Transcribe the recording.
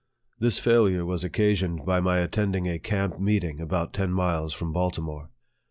This failure was occasioned by my attending a camp meeting about ten miles from Baltimore.